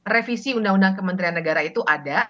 revisi undang undang kementerian negara itu ada